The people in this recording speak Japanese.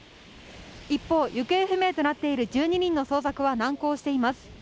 一方、行方不明となっている１２人の捜索は難航しています。